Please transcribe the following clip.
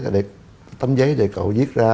để tấm giấy để cậu viết ra